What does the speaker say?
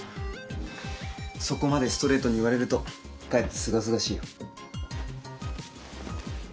そこまでストレートに言われるとかえってすがすがしいよ。